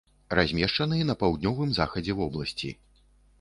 Размешчаны на паўднёвым захадзе вобласці.